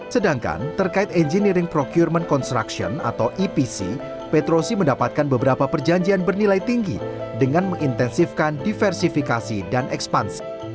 sedangkan terkait engineering procurement construction atau epc petrosi mendapatkan beberapa perjanjian bernilai tinggi dengan mengintensifkan diversifikasi dan ekspansi